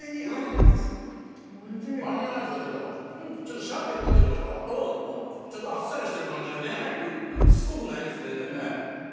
バニラアイスがちょっとシャーベットというのかちょっとあっさりしてる感じでねしつこくないです全然ね。